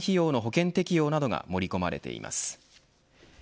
出産費用の保険適用などが盛り込まれています。